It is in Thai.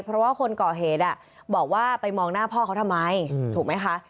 เพราะว่าคนก่อเหตุบอกว่าไปมองหน้าพ่อเขาทำไมถูกไหมคะ